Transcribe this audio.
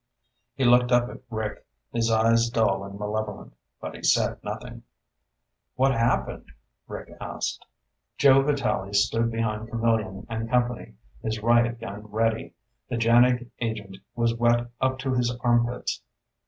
He looked up at Rick, his eyes dull and malevolent, but he said nothing. "What happened?" Rick asked. Joe Vitalli stood behind Camillion and company, his riot gun ready. The JANIG agent was wet up to his armpits.